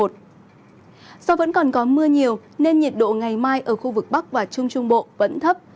do vẫn còn có mưa nhiều nên nhiệt độ ngày mai ở khu vực bắc và trung trung bộ vẫn thấp